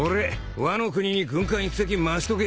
ワノ国に軍艦１隻回しとけ。